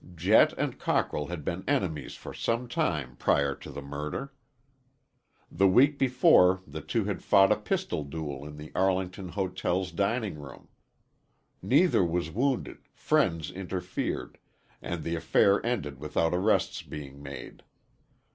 Jett and Cockrell had been enemies for some time prior to the murder. The week before the two had fought a pistol duel in the Arlington Hotel's dining room. Neither was wounded, friends interfered, and the affair ended without arrests being made.